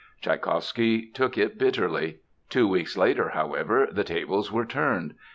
Tschaikowsky took it bitterly. Two weeks later, however, the tables were turned.